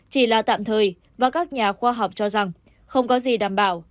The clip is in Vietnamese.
chỉ là tạm thời và các nhà khoa học cho rằng không có gì đảm bảo